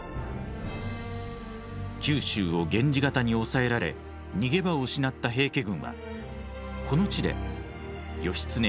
九州を源氏方に押さえられ逃げ場を失った平家軍はこの地で義経率いる源氏軍を迎え撃ちます。